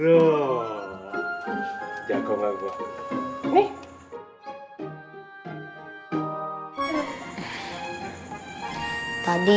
lo lihat baik baik